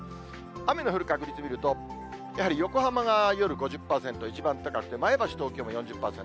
雨の降る確率見ると横浜が５０％、一番高くて、前橋、東京も４０％。